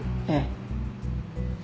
ええ。